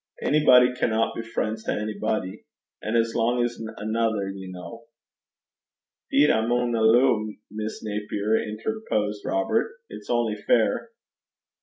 A'body canna be frien's to a'body, ane as lang 's anither, ye ken.' ''Deed I maun alloo, Miss Naper,' interposed Robert, 'it's only fair.